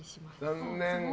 残念。